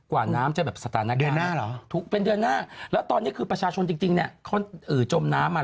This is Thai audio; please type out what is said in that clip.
วันที่๑๐๒๐นะ